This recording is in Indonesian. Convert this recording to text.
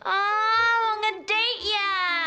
ah mau ngedate ya